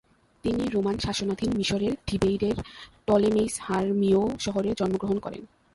তিনি রোমান শাসনাধীন মিশরের থিবেইড এর টলেমেইস হারমিওউ শহরে জন্মগ্রহণ করেন।